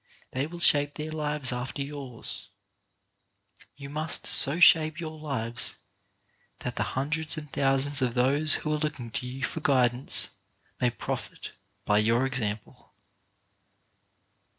They will shape their lives after yours. You must so shape your lives that the hundreds and thousands of those who are looking to you for guidance may profit by your example.